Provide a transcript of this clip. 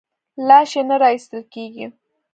لاش یې نه راایستل کېږي.